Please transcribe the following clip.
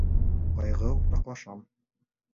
Ҡайғы уртаҡлашам